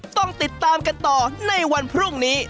ต้องติดตามกันต่อในวันพรุ่งนี้